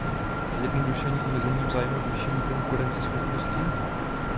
Zjednodušení omezení v zájmu zvýšení konkurenceschopnosti?